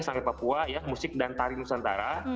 sari papua musik dan tari nusantara